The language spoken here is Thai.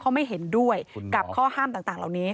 เขาไม่เห็นด้วยกับข้อห้ามต่างเหล่านี้